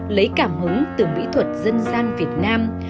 lấy cảm hứng từ mỹ thuật dân gian việt nam